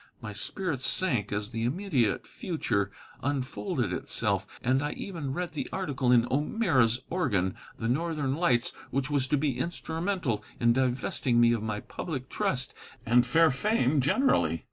My spirits sank as the immediate future unfolded itself, and I even read the article in O'Meara's organ, the Northern Lights, which was to be instrumental in divesting me of my public trust and fair fame generally.